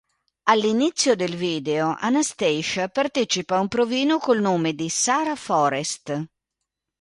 All'inizio del video Anastacia partecipa a un provino col nome di "Sara Forest".